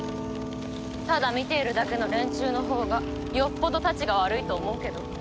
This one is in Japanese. ただ見ているだけの連中のほうがよっぽどたちが悪いと思うけど。